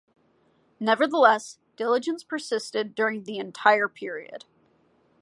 Nevertheless, diligence persisted during the entire period.